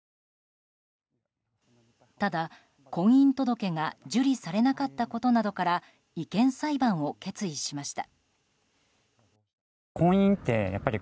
ただ、婚姻届が受理されなかったことなどから違憲裁判を決意しました。